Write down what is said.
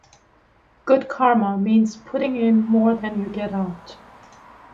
Good karma means putting in more than you get out.